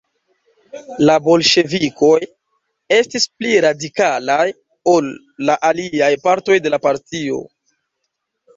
La bolŝevikoj estis pli radikalaj ol la aliaj partoj de la partio.